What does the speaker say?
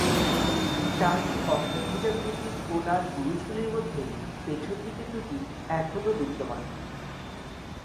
চারটি অষ্টভুজাকৃতির কোণার বুরুজগুলির মধ্যে পেছনদিকের দুটি এখনও বিদ্যমান।